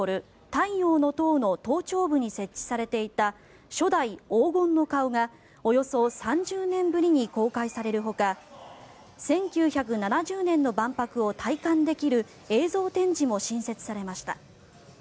太陽の塔の頭頂部に設置されていた初代黄金の顔がおよそ３０年ぶりに公開されるほか１９７０年の万博を体感できる映像展示も新設されました。